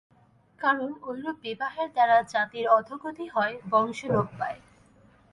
কারণ ঐরূপ বিবাহের দ্বারা জাতির অধোগতি হয়, বংশ লোপ পায়।